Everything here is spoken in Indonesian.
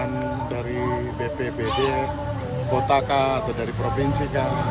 bantuan dari bppd kota atau dari provinsi